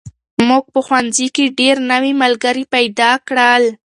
موږ په ښوونځي کې ډېر نوي ملګري پیدا کړل.